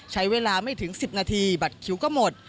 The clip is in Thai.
ใช้เวลาไม่ถึง๑๐นาทีบัตรคิวก็หมด